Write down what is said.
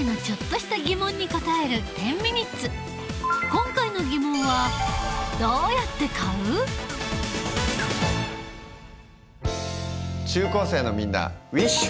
今回の疑問は中高生のみんなウィッシュ！